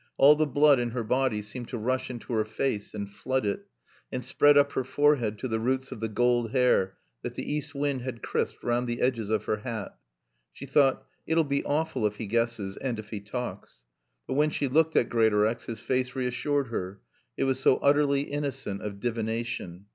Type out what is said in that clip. All the blood in her body seemed to rush into her face and flood it and spread up her forehead to the roots of the gold hair that the east wind had crisped round the edges of her hat. She thought, "It'll be awful if he guesses, and if he talks." But when she looked at Greatorex his face reassured her, it was so utterly innocent of divination.